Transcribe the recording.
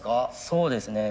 そうですね。